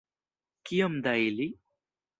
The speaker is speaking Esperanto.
Kiom da ili?